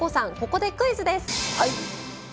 ここでクイズです。